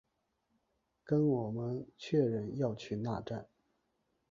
跟我们确认要去那站